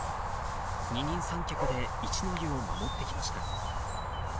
二人三脚で一の湯を守ってきました。